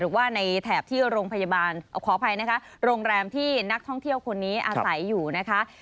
หรือว่าในแถบที่โรงพยาบาลขออภัยนะคะโรงแรมที่นักท่องเที่ยวคนนี้อาศัยอยู่นะคะ